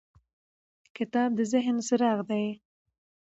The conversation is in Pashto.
کتاب د ذهن څراغ دی.